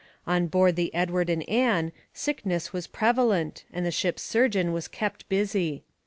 On board the Edward and Ann sickness was prevalent and the ship's surgeon was kept busy.